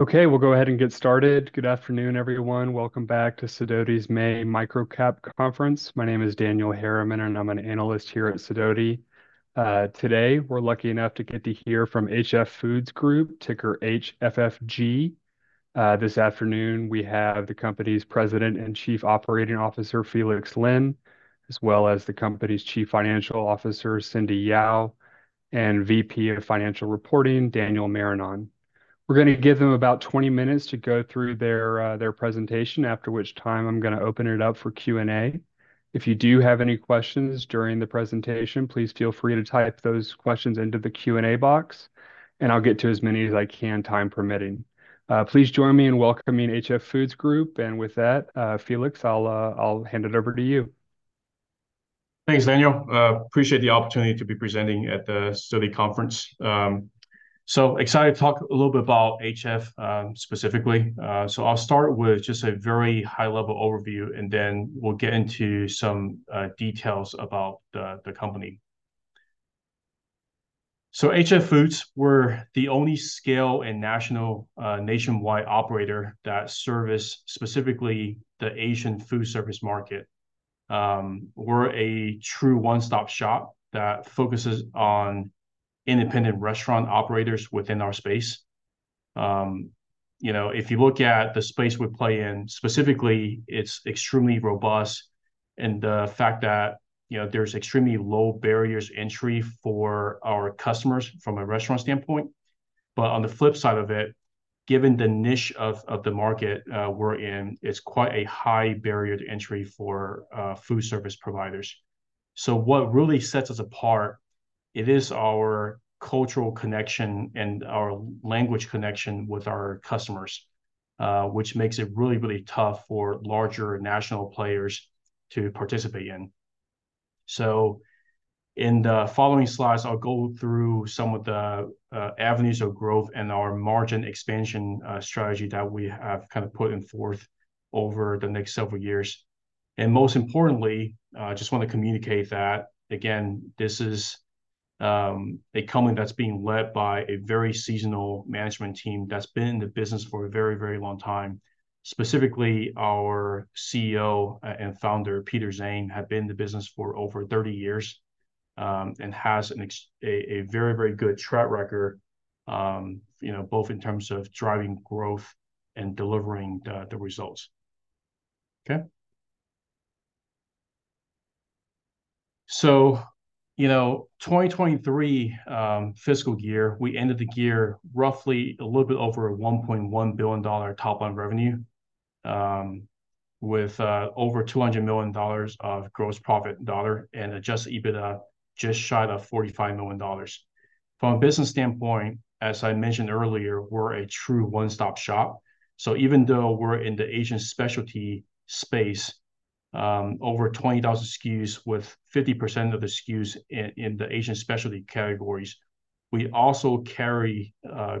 Okay, we'll go ahead and get started. Good afternoon, everyone. Welcome back to Sidoti's May Microcap Conference. My name is Daniel Harriman, and I'm an analyst here at Sidoti. Today we're lucky enough to get to hear from HF Foods Group, ticker HFFG. This afternoon we have the company's President and Chief Operating Officer Felix Lin, as well as the company's Chief Financial Officer Cindy Yao, and VP of Financial Reporting Daniel Marinon. We're going to give them about 20 minutes to go through their presentation, after which time I'm going to open it up for Q&A. If you do have any questions during the presentation, please feel free to type those questions into the Q&A box, and I'll get to as many as I can time permitting. Please join me in welcoming HF Foods Group, and with that, Felix, I'll hand it over to you. Thanks, Daniel. Appreciate the opportunity to be presenting at the Sidoti Conference. So excited to talk a little bit about HF, specifically. So I'll start with just a very high-level overview, and then we'll get into some details about the company. So HF Foods, we're the only scale and national, nationwide operator that service specifically the Asian food service market. We're a true one-stop shop that focuses on independent restaurant operators within our space. You know, if you look at the space we play in, specifically, it's extremely robust, and the fact that, you know, there's extremely low barriers to entry for our customers from a restaurant standpoint. But on the flip side of it, given the niche of the market we're in, it's quite a high barrier to entry for food service providers. So what really sets us apart, it is our cultural connection and our language connection with our customers, which makes it really, really tough for larger national players to participate in. So in the following slides, I'll go through some of the avenues of growth and our margin expansion strategy that we have kind of put forth over the next several years. And most importantly, just want to communicate that, again, this is a company that's being led by a very seasoned management team that's been in the business for a very, very long time. Specifically, our CEO and founder, Peter Zhang, had been in the business for over 30 years, and has a very, very good track record, you know, both in terms of driving growth and delivering the results. Okay? So, you know, 2023 fiscal year, we ended the year roughly a little bit over $1.1 billion top-line revenue, with over $200 million of gross profit in dollars and adjusted EBITDA just shy of $45 million. From a business standpoint, as I mentioned earlier, we're a true one-stop shop. So even though we're in the Asian specialty space, over 20,000 SKUs with 50% of the SKUs in the Asian specialty categories, we also carry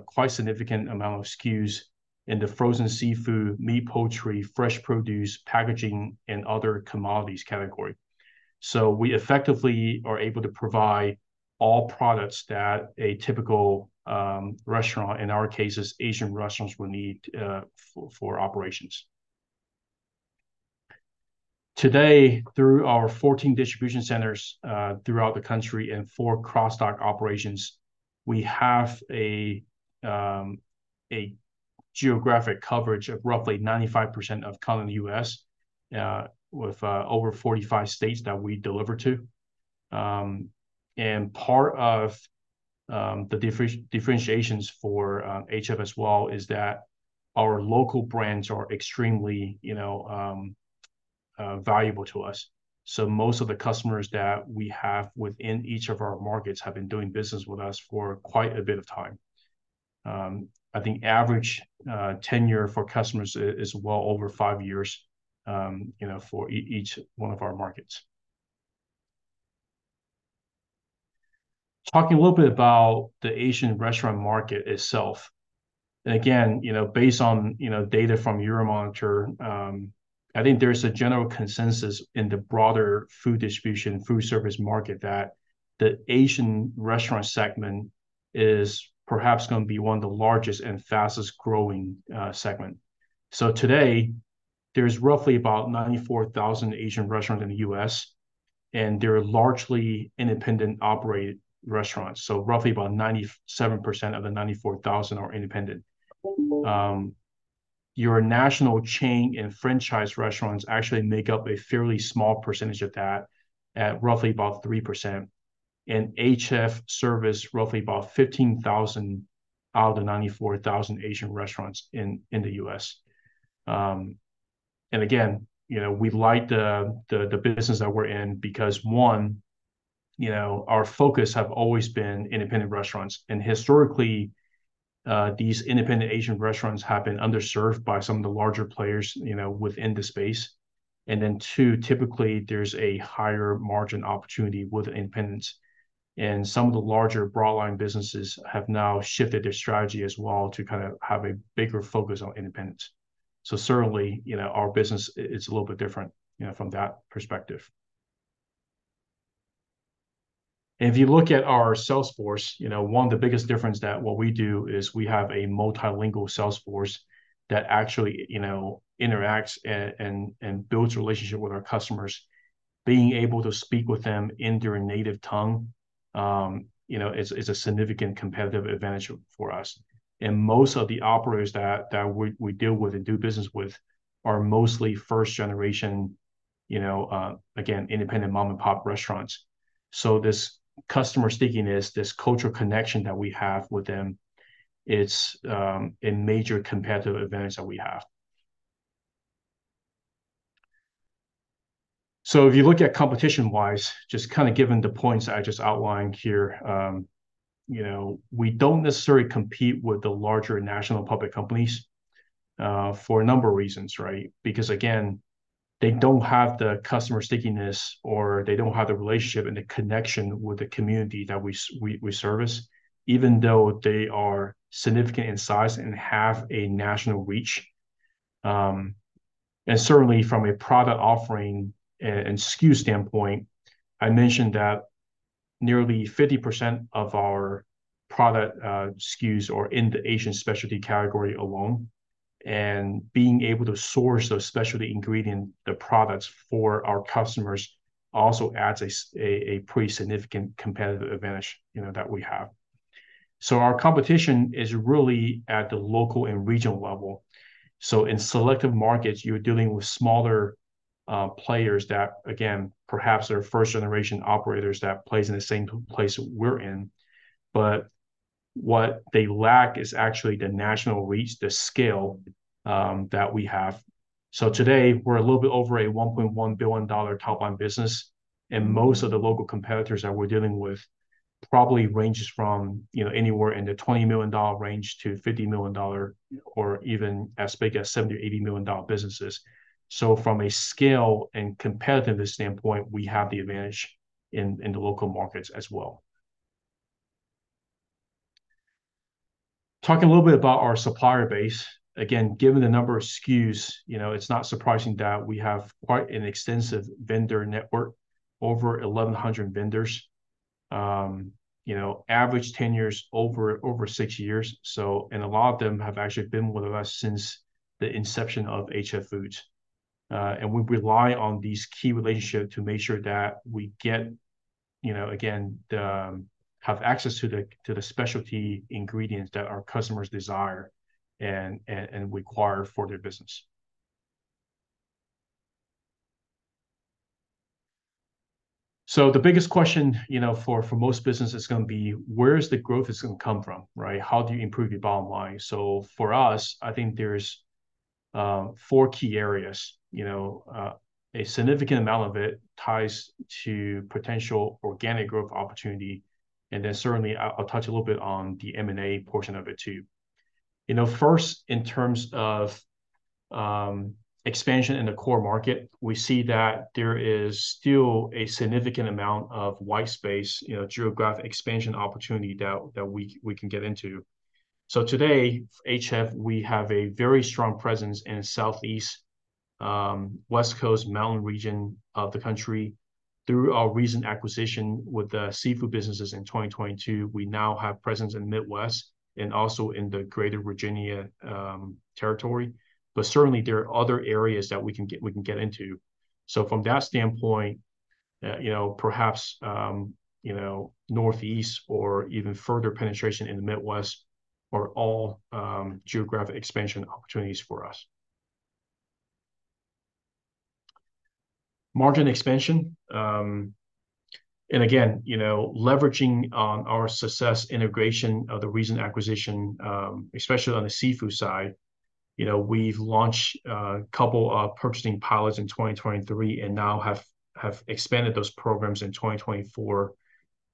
quite a significant amount of SKUs in the frozen seafood, meat, poultry, fresh produce, packaging, and other commodities category. So we effectively are able to provide all products that a typical restaurant, in our cases, Asian restaurants, would need for operations. Today, through our 14 distribution centers, throughout the country and four cross-dock operations, we have a geographic coverage of roughly 95% of continental U.S., with over 45 states that we deliver to. Part of the differentiations for HF as well is that our local brands are extremely, you know, valuable to us. So most of the customers that we have within each of our markets have been doing business with us for quite a bit of time. I think average tenure for customers is well over five years, you know, for each one of our markets. Talking a little bit about the Asian restaurant market itself. And again, you know, based on, you know, data from Euromonitor, I think there's a general consensus in the broader food distribution and food service market that the Asian restaurant segment is perhaps going to be one of the largest and fastest-growing segments. So today, there's roughly about 94,000 Asian restaurants in the U.S., and they're largely independently operated restaurants. So roughly about 97% of the 94,000 are independent. The national chain and franchise restaurants actually make up a fairly small percentage of that, at roughly about 3%. And HF Foods serves roughly about 15,000 out of the 94,000 Asian restaurants in the U.S. and again, you know, we like the business that we're in because, one, you know, our focus has always been independent restaurants. And historically, these independent Asian restaurants have been underserved by some of the larger players, you know, within the space. And then, too, typically there's a higher margin opportunity with independents. Some of the larger broadline businesses have now shifted their strategy as well to kind of have a bigger focus on independents. So certainly, you know, our business it's a little bit different, you know, from that perspective. And if you look at our sales force, you know, one of the biggest differences that what we do is we have a multilingual sales force that actually, you know, interacts and builds relationships with our customers. Being able to speak with them in their native tongue, you know, is a significant competitive advantage for us. Most of the operators that we deal with and do business with are mostly first-generation, you know, again, independent mom-and-pop restaurants. So this customer stickiness, this cultural connection that we have with them, it's a major competitive advantage that we have. So if you look at competition-wise, just kind of given the points I just outlined here, you know, we don't necessarily compete with the larger national public companies, for a number of reasons, right? Because again, they don't have the customer stickiness or they don't have the relationship and the connection with the community that we service, even though they are significant in size and have a national reach. And certainly from a product offering and SKU standpoint, I mentioned that nearly 50% of our product SKUs are in the Asian specialty category alone. And being able to source those specialty ingredients, the products for our customers, also adds a pretty significant competitive advantage, you know, that we have. So our competition is really at the local and regional level. So in selective markets, you're dealing with smaller players that, again, perhaps are first-generation operators that play in the same place we're in. But what they lack is actually the national reach, the scale, that we have. So today we're a little bit over a $1.1 billion top-line business, and most of the local competitors that we're dealing with probably ranges from, you know, anywhere in the $20 million-$50 million range, or even as big as $70-$80 million businesses. So from a scale and competitiveness standpoint, we have the advantage in the local markets as well. Talking a little bit about our supplier base. Again, given the number of SKUs, you know, it's not surprising that we have quite an extensive vendor network, over 1,100 vendors, you know, average tenures over 6 years. A lot of them have actually been with us since the inception of HF Foods. We rely on these key relationships to make sure that we get, you know, again, have access to the specialty ingredients that our customers desire and require for their business. So the biggest question, you know, for most businesses is going to be, where is the growth going to come from, right? How do you improve your bottom line? So for us, I think there's four key areas, you know, a significant amount of it ties to potential organic growth opportunity, and then certainly I'll touch a little bit on the M&A portion of it too. You know, first, in terms of expansion in the core market, we see that there is still a significant amount of white space, you know, geographic expansion opportunity that we can get into. So today, HF, we have a very strong presence in the Southeast, West Coast, Mountain region of the country. Through our recent acquisition with the seafood businesses in 2022, we now have presence in the Midwest and also in the greater Virginia territory. But certainly there are other areas that we can get into. So from that standpoint, you know, perhaps, you know, Northeast or even further penetration in the Midwest are all geographic expansion opportunities for us. Margin expansion. And again, you know, leveraging on our success integration of the recent acquisition, especially on the seafood side, you know, we've launched a couple of purchasing pilots in 2023 and now have expanded those programs in 2024.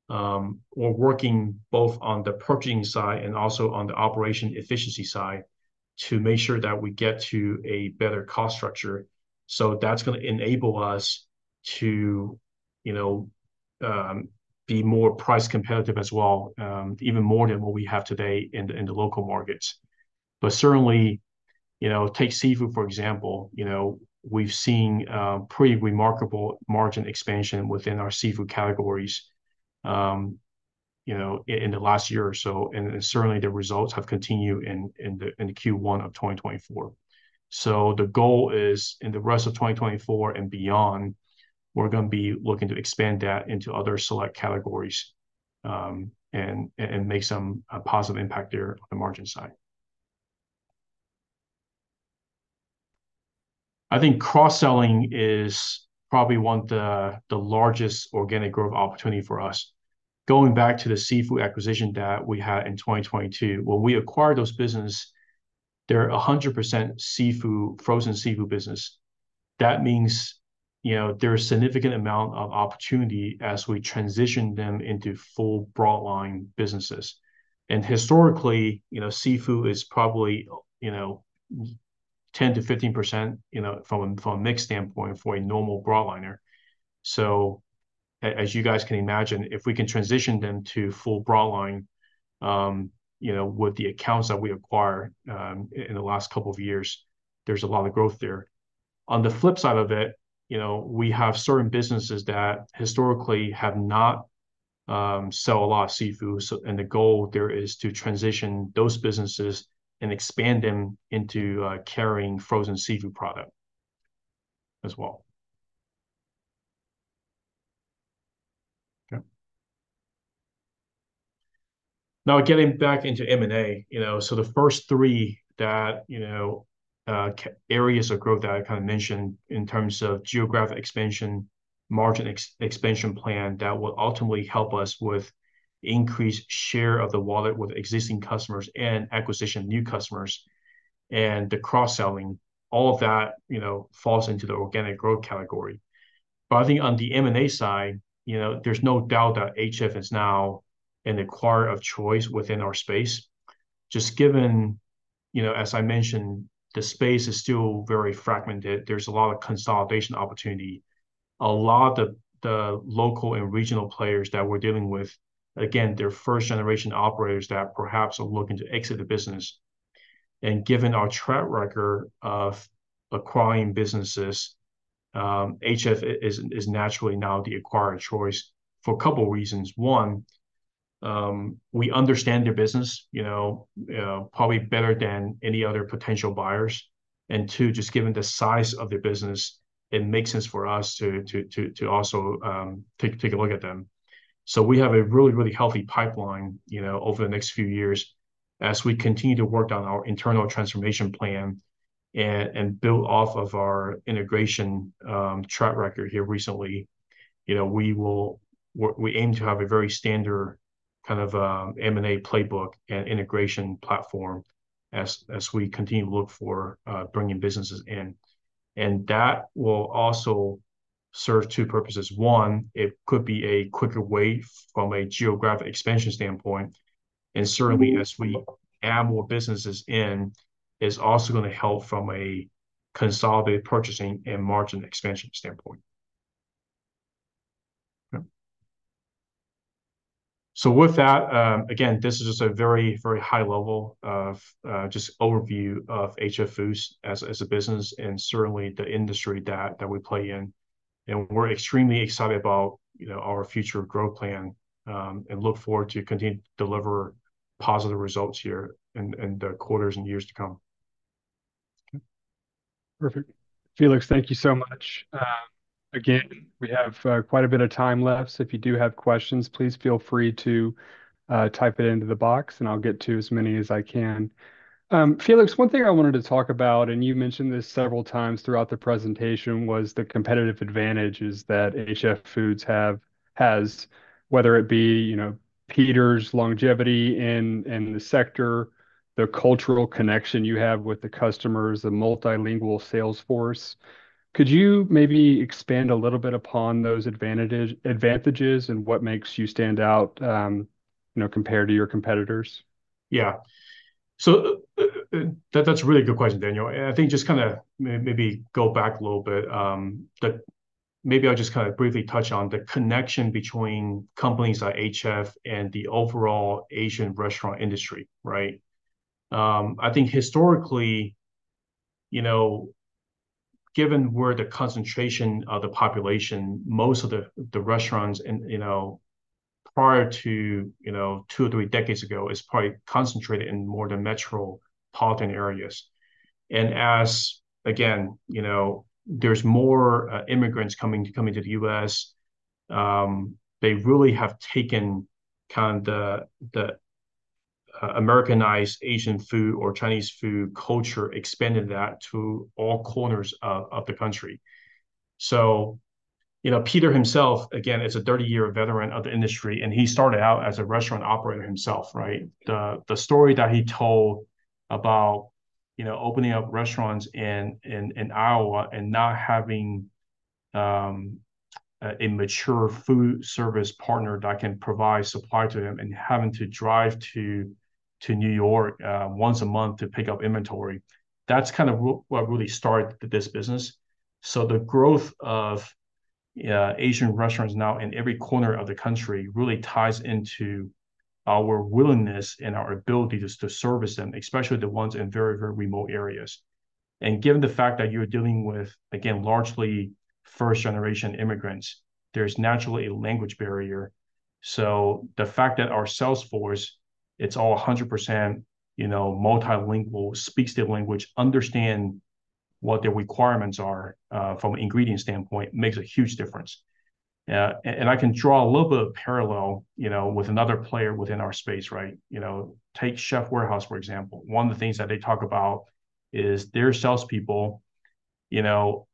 We're working both on the purchasing side and also on the operation efficiency side to make sure that we get to a better cost structure. So that's going to enable us to, you know, be more price competitive as well, even more than what we have today in the local markets. But certainly, you know, take seafood, for example, you know, we've seen pretty remarkable margin expansion within our seafood categories, you know, in the last year or so. And certainly the results have continued in the Q1 of 2024. So the goal is in the rest of 2024 and beyond, we're going to be looking to expand that into other select categories, and make some positive impact there on the margin side. I think cross-selling is probably one of the largest organic growth opportunities for us. Going back to the seafood acquisition that we had in 2022, when we acquired those businesses, they're 100% seafood, frozen seafood business. That means, you know, there's a significant amount of opportunity as we transition them into full broadline businesses. And historically, you know, seafood is probably, you know, 10%-15%, you know, from a mixed standpoint for a normal broadliner. So as you guys can imagine, if we can transition them to full broadline, you know, with the accounts that we acquired, in the last couple of years, there's a lot of growth there. On the flip side of it, you know, we have certain businesses that historically have not sell a lot of seafood. So and the goal there is to transition those businesses and expand them into carrying frozen seafood product as well. Okay? Now getting back into M&A, you know, so the first three that, you know, areas of growth that I kind of mentioned in terms of geographic expansion, margin expansion plan that will ultimately help us with increased share of the wallet with existing customers and acquisition new customers, and the cross-selling, all of that, you know, falls into the organic growth category. But I think on the M&A side, you know, there's no doubt that HF is now an acquirer of choice within our space. Just given, you know, as I mentioned, the space is still very fragmented. There's a lot of consolidation opportunity. A lot of the local and regional players that we're dealing with, again, they're first-generation operators that perhaps are looking to exit the business. Given our track record of acquiring businesses, HF is naturally now the acquirer of choice for a couple of reasons. One, we understand their business, you know, probably better than any other potential buyers. And two, just given the size of their business, it makes sense for us to also take a look at them. We have a really, really healthy pipeline, you know, over the next few years as we continue to work on our internal transformation plan and build off of our integration track record here recently. You know, we aim to have a very standard kind of M&A playbook and integration platform as we continue to look for bringing businesses in. And that will also serve two purposes. One, it could be a quicker way from a geographic expansion standpoint. And certainly as we add more businesses in, it's also going to help from a consolidated purchasing and margin expansion standpoint. Okay? So with that, again, this is just a very, very high level of just overview of HF Foods as a business and certainly the industry that we play in. And we're extremely excited about, you know, our future growth plan, and look forward to continue to deliver positive results here in the quarters and years to come. Okay? Perfect. Felix, thank you so much. Again, we have quite a bit of time left. So if you do have questions, please feel free to type it into the box, and I'll get to as many as I can. Felix, one thing I wanted to talk about, and you mentioned this several times throughout the presentation, was the competitive advantages that HF Foods have, has, whether it be, you know, Peter's longevity in, in the sector, the cultural connection you have with the customers, the multilingual sales force. Could you maybe expand a little bit upon those advantages advantages and what makes you stand out, you know, compared to your competitors? Yeah. So that, that's a really good question, Daniel. I think just kind of maybe go back a little bit. I'll just kind of briefly touch on the connection between companies like HF and the overall Asian restaurant industry, right? I think historically, you know, given where the concentration of the population, most of the restaurants in, you know, prior to, you know, two or three decades ago, is probably concentrated in more the metropolitan areas. And as, again, you know, there's more immigrants coming to the U.S., they really have taken kind of the Americanized Asian food or Chinese food culture, expanded that to all corners of the country. So, you know, Peter himself, again, is a 30-year veteran of the industry, and he started out as a restaurant operator himself, right? The story that he told about, you know, opening up restaurants in Iowa and not having a mature food service partner that can provide supply to him and having to drive to New York, once a month to pick up inventory, that's kind of what really started this business. So the growth of Asian restaurants now in every corner of the country really ties into our willingness and our ability to service them, especially the ones in very, very remote areas. And given the fact that you're dealing with, again, largely first-generation immigrants, there's naturally a language barrier. So the fact that our sales force, it's all 100%, you know, multilingual, speaks their language, understand what their requirements are, from an ingredient standpoint, makes a huge difference. And I can draw a little bit of parallel, you know, with another player within our space, right? You know, take Chefs' Warehouse, for example. One of the things that they talk about is their salespeople, you know,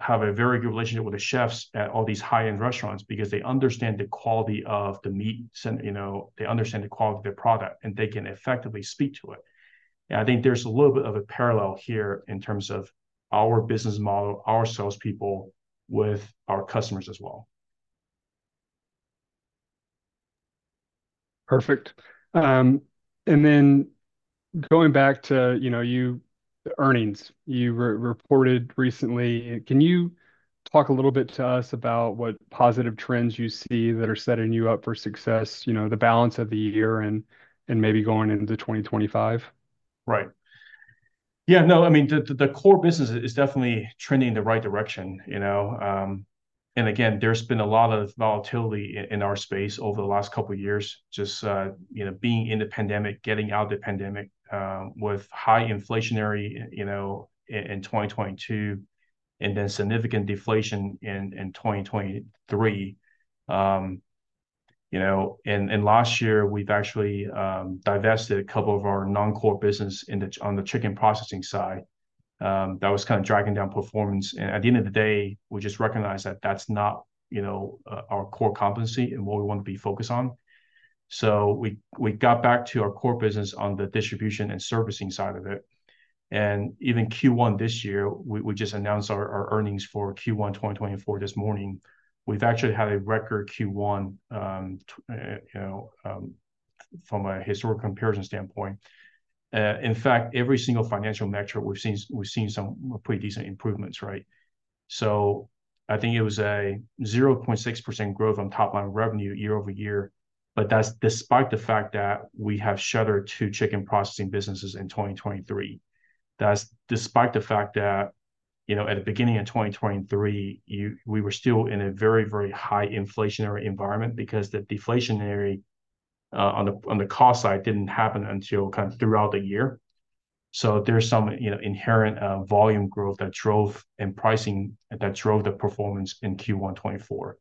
have a very good relationship with the chefs at all these high-end restaurants because they understand the quality of the meat sent, you know, they understand the quality of their product, and they can effectively speak to it. I think there's a little bit of a parallel here in terms of our business model, our salespeople with our customers as well. Perfect. And then going back to, you know, your earnings you reported recently. Can you talk a little bit to us about what positive trends you see that are setting you up for success, you know, the balance of the year and maybe going into 2025? Right. Yeah, no, I mean, the core business is definitely trending in the right direction, you know. And again, there's been a lot of volatility in our space over the last couple of years, just you know, being in the pandemic, getting out of the pandemic, with high inflationary you know, in 2022 and then significant deflation in 2023. You know, and last year, we've actually divested a couple of our non-core business on the chicken processing side. That was kind of dragging down performance. And at the end of the day, we just recognized that that's not you know, our core competency and what we want to be focused on. So we got back to our core business on the distribution and servicing side of it. And even Q1 this year, we just announced our earnings for Q1 2024 this morning. We've actually had a record Q1 you know, from a historic comparison standpoint. In fact, every single financial metric, we've seen some pretty decent improvements, right? So I think it was a 0.6% growth on top-line revenue year-over-year. But that's despite the fact that we have shuttered two chicken processing businesses in 2023. That's despite the fact that, you know, at the beginning of 2023, we were still in a very, very high inflationary environment because the deflationary, on the cost side didn't happen until kind of throughout the year. So there's some, you know, inherent, volume growth that drove and pricing that drove the performance in Q1 2024.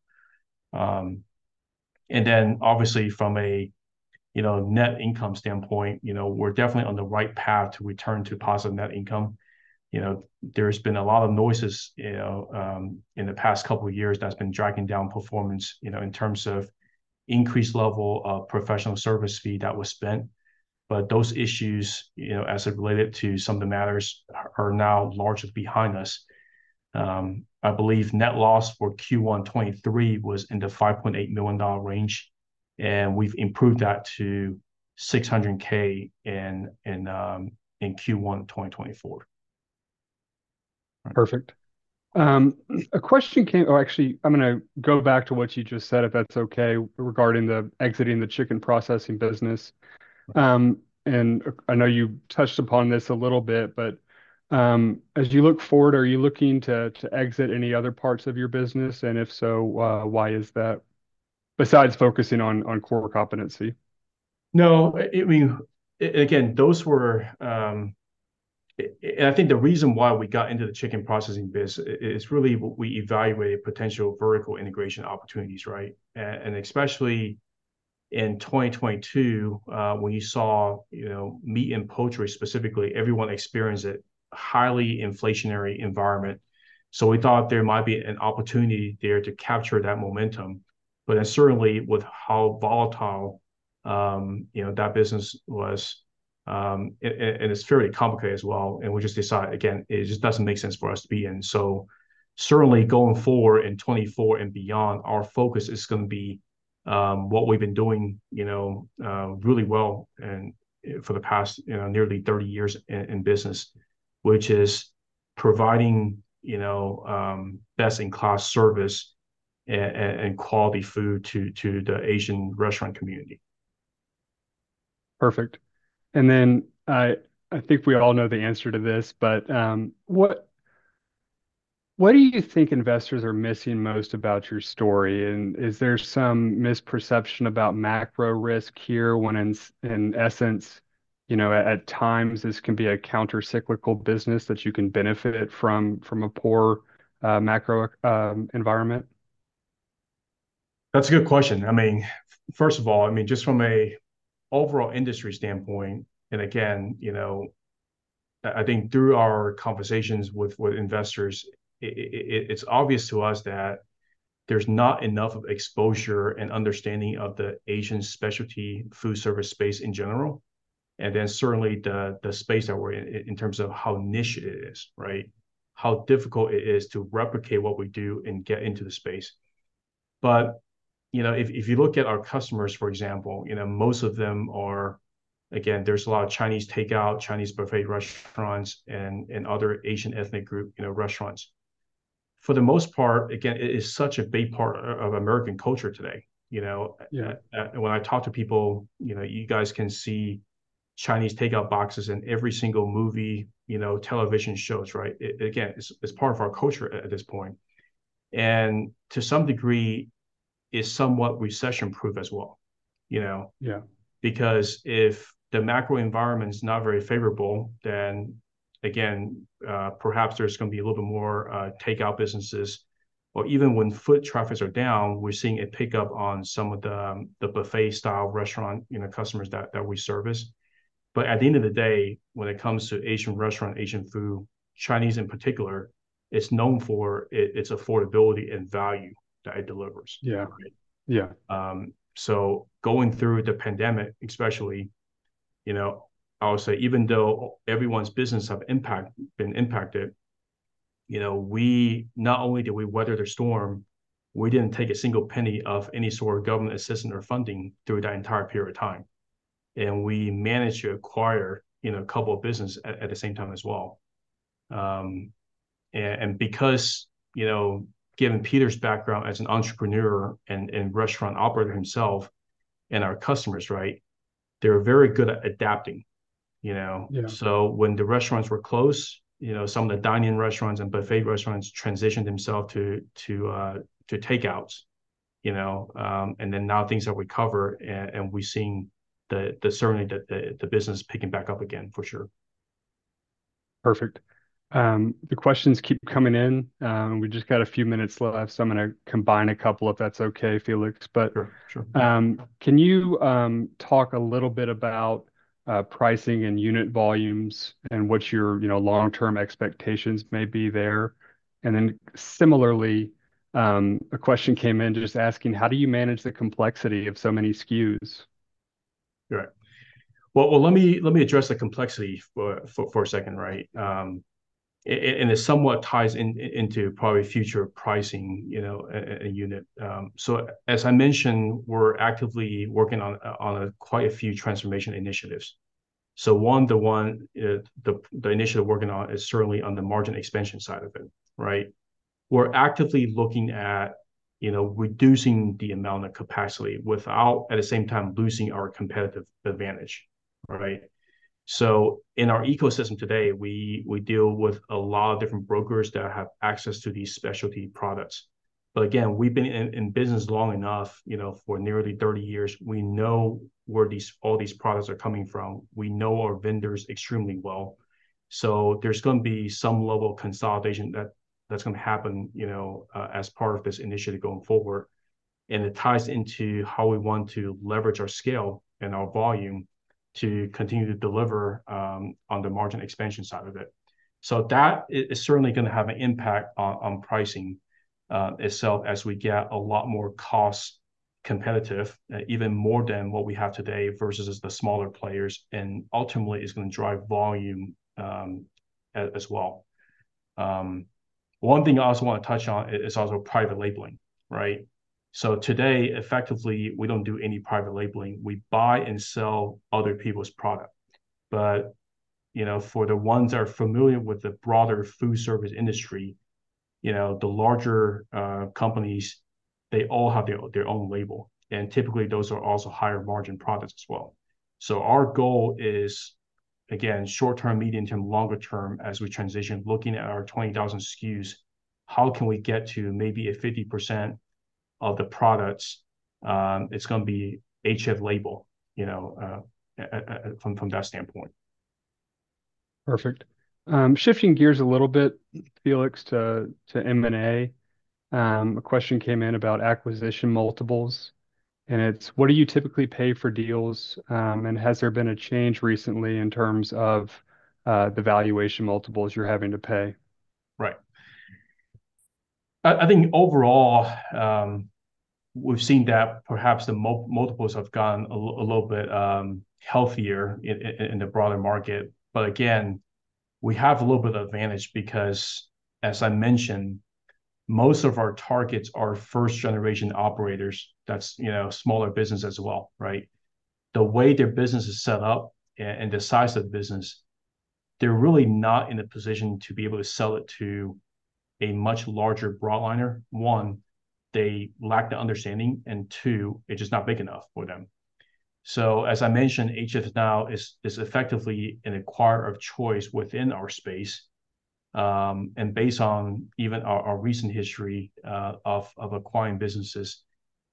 And then obviously from a, you know, net income standpoint, you know, we're definitely on the right path to return to positive net income. You know, there's been a lot of noises, you know, in the past couple of years that's been dragging down performance, you know, in terms of increased level of professional service fee that was spent. But those issues, you know, as it related to some of the matters are now largely behind us. I believe net loss for Q1 2023 was in the $5.8 million range, and we've improved that to $600,000 in Q1 2024. Perfect. A question came oh, actually, I'm going to go back to what you just said, if that's okay, regarding exiting the chicken processing business. I know you touched upon this a little bit, but, as you look forward, are you looking to exit any other parts of your business? And if so, why is that besides focusing on core competency? No, I mean, again, those were, and I think the reason why we got into the chicken processing business is really we evaluated potential vertical integration opportunities, right? And especially in 2022, when you saw, you know, meat and poultry specifically, everyone experienced a highly inflationary environment. So we thought there might be an opportunity there to capture that momentum. But then certainly with how volatile, you know, that business was, and it's fairly complicated as well. And we just decided, again, it just doesn't make sense for us to be in. So certainly going forward in 2024 and beyond, our focus is going to be, what we've been doing, you know, really well and for the past, you know, nearly 30 years in business, which is providing, you know, best-in-class service and quality food to the Asian restaurant community. Perfect. And then I think we all know the answer to this, but what do you think investors are missing most about your story? And is there some misperception about macro risk here when in essence, you know, at times, this can be a countercyclical business that you can benefit from a poor macro environment? That's a good question. I mean, first of all, I mean, just from an overall industry standpoint, and again, you know, I think through our conversations with investors, it's obvious to us that there's not enough of exposure and understanding of the Asian specialty food service space in general. And then certainly the space that we're in, in terms of how niche it is, right, how difficult it is to replicate what we do and get into the space. But, you know, if you look at our customers, for example, you know, most of them are, again, there's a lot of Chinese takeout, Chinese buffet restaurants, and other Asian ethnic group, you know, restaurants. For the most part, again, it is such a big part of American culture today, you know. Yeah. And when I talk to people, you know, you guys can see Chinese takeout boxes in every single movie, you know, television shows, right? Again, it's part of our culture at this point. And to some degree, it's somewhat recession-proof as well, you know. Yeah. Because if the macro environment's not very favorable, then again, perhaps there's going to be a little bit more takeout businesses. Or even when foot traffics are down, we're seeing it pick up on some of the buffet-style restaurant, you know, customers that we service. But at the end of the day, when it comes to Asian restaurant, Asian food, Chinese in particular, it's known for its affordability and value that it delivers. Yeah. Yeah. So going through the pandemic, especially, you know, I'll say even though everyone's business have been impacted, you know, not only did we weather the storm, we didn't take a single penny of any sort of government assistance or funding through that entire period of time. And we managed to acquire, you know, a couple of businesses at the same time as well. And because, you know, given Peter's background as an entrepreneur and restaurant operator himself and our customers, right, they're very good at adapting, you know. Yeah. So when the restaurants were closed, you know, some of the dining restaurants and buffet restaurants transitioned themselves to takeouts, you know. and then now things have recovered, and we're seeing certainly the business picking back up again for sure. Perfect. The questions keep coming in. We just got a few minutes left. So I'm going to combine a couple if that's okay, Felix. Sure. Sure. Can you talk a little bit about pricing and unit volumes and what your, you know, long-term expectations may be there? And then similarly, a question came in just asking how do you manage the complexity of so many SKUs? Sure. Well, let me address the complexity for a second, right? And it somewhat ties into probably future pricing, you know, a unit. So as I mentioned, we're actively working on quite a few transformation initiatives. So, the initiative working on is certainly on the margin expansion side of it, right? We're actively looking at, you know, reducing the amount of capacity without, at the same time, losing our competitive advantage, right? So in our ecosystem today, we deal with a lot of different brokers that have access to these specialty products. But again, we've been in business long enough, you know, for nearly 30 years. We know where all these products are coming from. We know our vendors extremely well. So there's going to be some level of consolidation that's going to happen, you know, as part of this initiative going forward. And it ties into how we want to leverage our scale and our volume to continue to deliver on the margin expansion side of it. So that is certainly going to have an impact on pricing itself as we get a lot more cost competitive, even more than what we have today versus the smaller players. And ultimately, it's going to drive volume as well. One thing I also want to touch on is also private labeling, right? So today, effectively, we don't do any private labeling. We buy and sell other people's product. But, you know, for the ones that are familiar with the broader food service industry, you know, the larger companies, they all have their own label. And typically, those are also higher-margin products as well. So our goal is, again, short-term, medium-term, longer-term, as we transition, looking at our 20,000 SKUs, how can we get to maybe 50% of the products; it's going to be HF label, you know, from that standpoint. Perfect. Shifting gears a little bit, Felix, to M&A. A question came in about acquisition multiples. And it's, what do you typically pay for deals? And has there been a change recently in terms of the valuation multiples you're having to pay? Right. I think overall, we've seen that perhaps the multiples have gone a little bit healthier in the broader market. But again, we have a little bit of advantage because, as I mentioned, most of our targets are first-generation operators. That's, you know, smaller business as well, right? The way their business is set up and the size of the business, they're really not in a position to be able to sell it to a much larger broadliner. One, they lack the understanding. And two, it's just not big enough for them. So as I mentioned, HF now is effectively an acquirer of choice within our space. And based on even our recent history of acquiring businesses,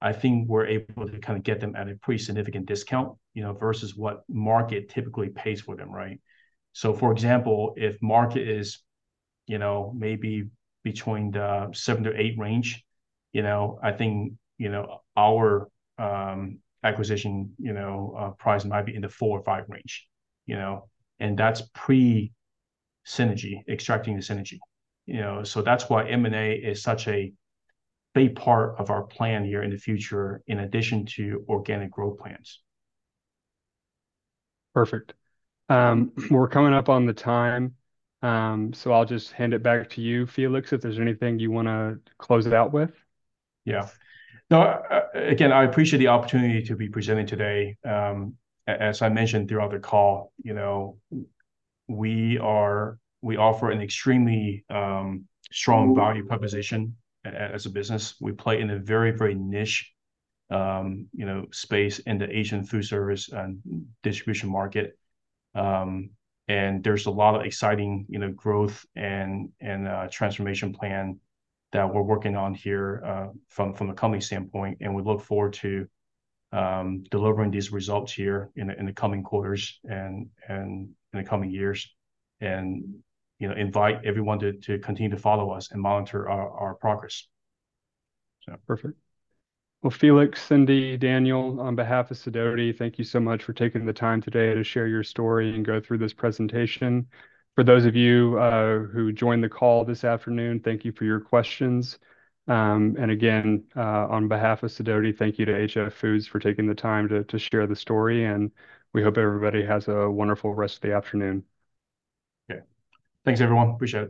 I think we're able to kind of get them at a pretty significant discount, you know, versus what market typically pays for them, right? So for example, if market is, you know, maybe between 7-8 range, you know, I think, you know, our acquisition, you know, price might be in the 4 or 5 range, you know. And that's pre-synergy, extracting the synergy, you know. So that's why M&A is such a big part of our plan here in the future in addition to organic growth plans. Perfect. We're coming up on the time. So I'll just hand it back to you, Felix, if there's anything you want to close it out with. Yeah. No, again, I appreciate the opportunity to be presenting today. As I mentioned throughout the call, you know, we offer an extremely strong value proposition as a business. We play in a very, very niche, you know, space in the Asian food service and distribution market. And there's a lot of exciting, you know, growth and transformation plan that we're working on here, from a company standpoint. And we look forward to delivering these results here in the coming quarters and in the coming years and, you know, invite everyone to continue to follow us and monitor our progress. Yeah. Perfect. Well, Felix, Cindy, Daniel, on behalf of Sidoti, thank you so much for taking the time today to share your story and go through this presentation. For those of you who joined the call this afternoon, thank you for your questions. And again, on behalf of Sidoti, thank you to HF Foods for taking the time to share the story. And we hope everybody has a wonderful rest of the afternoon. Okay. Thanks, everyone. We shall.